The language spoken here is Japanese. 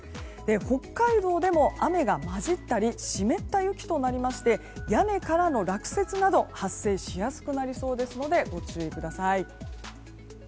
北海道でも雨が交じったり湿った雪となりまして屋根からの落雪など発生しやすくなりそうですのでご注意ください。